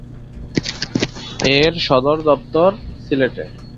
এর সদর দপ্তর সিলেটে।